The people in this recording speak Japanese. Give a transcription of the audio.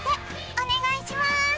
お願いします。